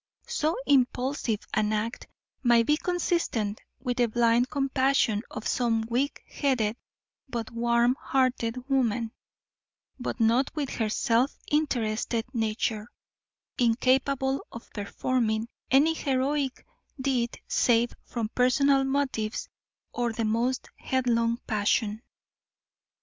So impulsive an act might be consistent with the blind compassion of some weak headed but warm hearted woman, but not with her self interested nature, incapable of performing any heroic deed save from personal motives or the most headlong passion.